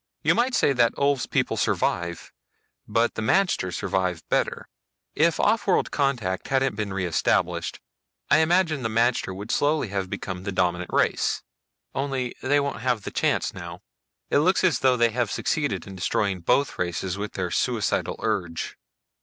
You might say that Ulv's people survive, but the magter survive better. If offworld contact hadn't been re established, I imagine that the magter would slowly have become the dominant race. Only they won't have the chance now. It looks as though they have succeeded in destroying both races with their suicidal urge."